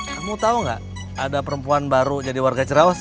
kamu tau gak ada perempuan baru jadi warga cerawos